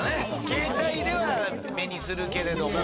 ケータイでは目にするけれども。